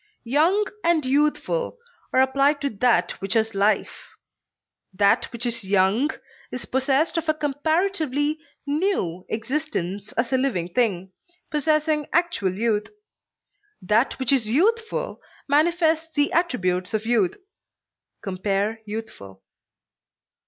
Young and youthful are applied to that which has life; that which is young is possessed of a comparatively new existence as a living thing, possessing actual youth; that which is youthful manifests the attributes of youth. (Compare YOUTHFUL.)